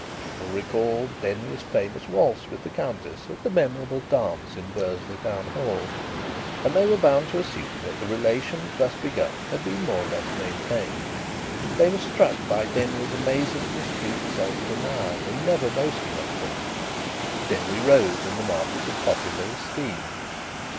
People recalled Denry's famous waltz with the Countess at the memorable dance in Bursley Town Hall. And they were bound to assume that the relations thus begun had been more or less maintained. They were struck by Denry's amazing discreet self denial in never boasting of them. Denry rose in the market of popular esteem.